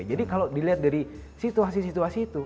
jadi kalau dilihat dari situasi situasi itu